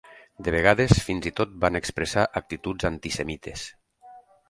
De vegades, fins i tot van expressar actituds antisemites.